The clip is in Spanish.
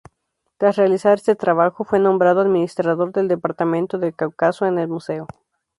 Tras realizar este trabajo, fue nombrado administrador del departamento del Cáucaso en el museo.